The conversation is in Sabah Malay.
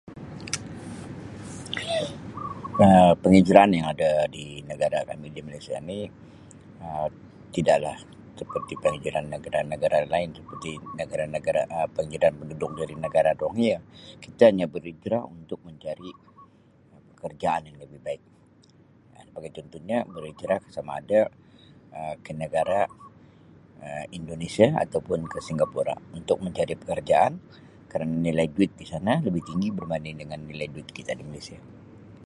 Um Penghijraan yang ada di negara kami yang di Malaysia ni Um tidaklah seperti penghijraam negara-negara lain seperti negara-negara kebanjiran penduduk dari negara rohingya kita hanya berhijrah untuk mencari pekerjaan yang lebih baik sebagai contohnya berhijrah samaada Um ke negara Indonesia ataupun ke Singapura untuk mencari pekerjaan kerna nilai duit di sana lebih tinggi berbanding dengan nilai duit kita di Malaysia.